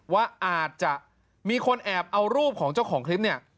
ว่าอาจจะมีคนแอบเอารูปของเจ้าของคลิปเนี่ย